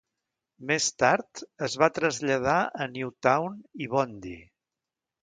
Més tard es va traslladar a Newtown i Bondi.